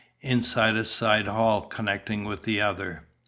"Into a side hall, connecting with the other."